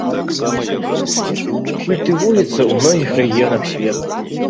Культывуецца ў многіх рэгіёнах свету.